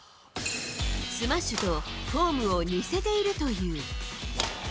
スマッシュとフォームを似せているという。